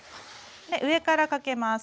上からかけます。